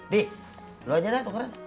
nih lo aja dah tukeran